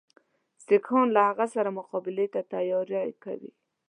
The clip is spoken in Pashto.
سیکهان له هغه سره مقابلې ته تیاری کوي.